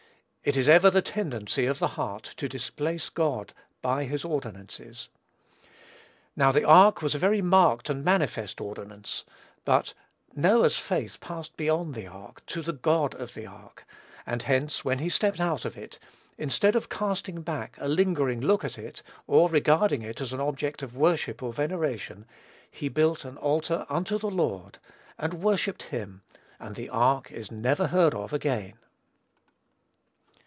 It is ever the tendency of the heart to displace God by his ordinances. Now, the ark was a very marked and manifest ordinance; but Noah's faith passed beyond the ark to the God of the ark; and hence, when he stepped out of it, instead of casting back a lingering look at it, or regarding it as an object of worship or veneration, he built an altar unto the Lord, and worshipped him: and the ark is never heard of again.